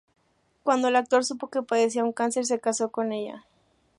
Cuando el actor supo que padecía un cáncer, se casó con ella.